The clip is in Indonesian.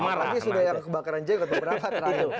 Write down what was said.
marah kan nanti sudah kebakaran jenggot beberapa terakhir